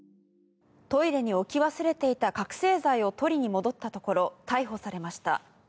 トイレに置き忘れていた覚醒剤を取りに戻ったところ逮捕されました。